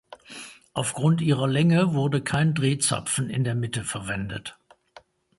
Aufgrund ihrer Länge wurde kein Drehzapfen in der Mitte verwendet.